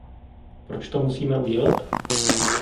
Proč to musíme udělat?